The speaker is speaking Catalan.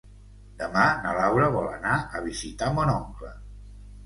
Demà na Laura vol anar a visitar mon oncle.